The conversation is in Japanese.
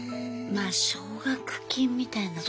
まあ奨学金みたいなことだね。